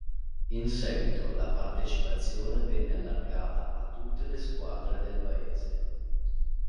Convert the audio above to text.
In seguito la partecipazione venne allargata a tutte le squadre del paese.